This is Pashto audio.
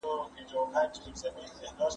که نظم ولرو نو ګډوډي نه راځي.